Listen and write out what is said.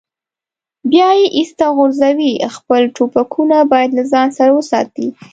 بیا یې ایسته غورځوي، خپل ټوپکونه باید له ځان سره وساتي.